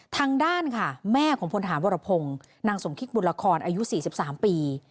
ทางด้านค่ะแม่ของพลทหารวรพงษ์นางสมคิกบุญละครอายุสี่สิบสามปี